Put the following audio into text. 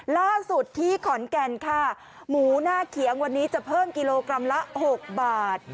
ล่าสุดที่ขอนแก่นค่ะหมูหน้าเขียงวันนี้จะเพิ่มกิโลกรัมละ๖บาท